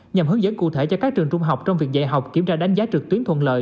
nhằm hướng dẫn cụ thể cho các trường trung học trong việc dạy học kiểm tra đánh giá trực tuyến thuận lợi